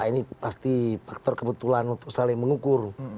ini pasti faktor kebetulan untuk saling mengukur